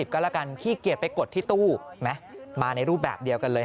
ก็แล้วกันขี้เกียจไปกดที่ตู้มาในรูปแบบเดียวกันเลย